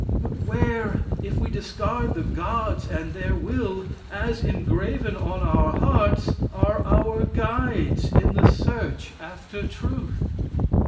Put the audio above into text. "But where, if we discard the Gods and their will, as engraven on our hearts, are our guides in the search after truth?"